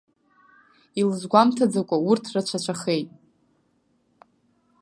Илызгәамҭаӡакәа урҭ рацәацәахеит.